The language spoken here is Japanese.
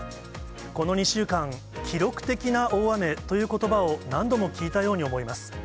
この２週間、記録的な大雨ということばを何度も聞いたように思います。